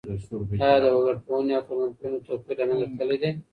آیا د وګړپوهني او ټولنپوهني توپیر له منځه تللی دی؟